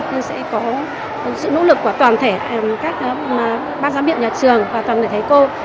với sự nỗ lực của toàn thể các bác giám biệt nhà trường và toàn thể thầy cô